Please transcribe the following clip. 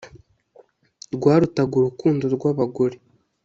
Rwarutaga urukundo rw’abagore